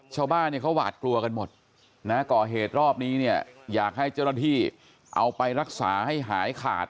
ชาวบ้านเนี่ยเขาหวาดกลัวกันหมดนะก่อเหตุรอบนี้เนี่ยอยากให้เจ้าหน้าที่เอาไปรักษาให้หายขาด